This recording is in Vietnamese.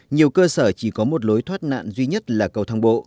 nhiều cơ sở chỉ có một lối thoát nạn duy nhất là cầu thang bộ